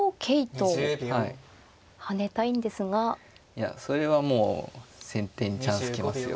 いやそれはもう先手にチャンス来ますよ。